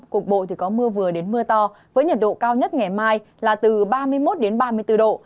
cục bộ thì có mưa vừa đến mưa to với nhiệt độ cao nhất ngày mai là từ ba mươi một đến ba mươi bốn độ